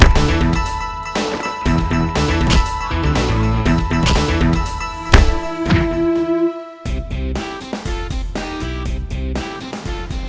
tuh kan abang